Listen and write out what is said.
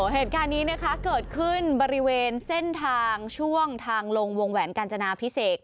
เหตุการณ์นี้นะคะเกิดขึ้นบริเวณเส้นทางช่วงทางลงวงแหวนกาญจนาพิเศษ